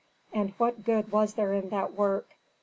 And what good was there in that work?